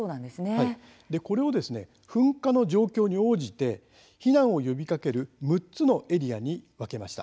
これを噴火の状況に応じて避難を呼びかける６つのエリアに分けました。